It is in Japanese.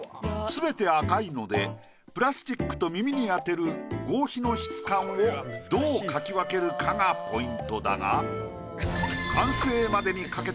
すべて赤いのでプラスチックと耳に当てる合皮の質感をどう描き分けるかがポイントだが。